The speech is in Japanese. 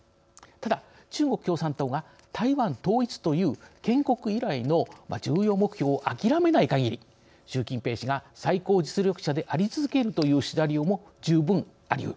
ただ中国共産党が台湾統一という建国以来の重要目標を諦めない限り習近平氏が最高実力者であり続けるというシナリオも十分ありうる。